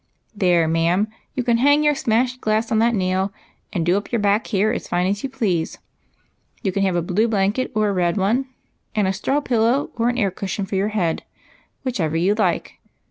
There, ma'am, you can hang your smashed glass on that nail and do up your back hair as fine as you please. You can have a blue blanket or a red one, and a straw pillow or an air cushion for your head, whichever you like.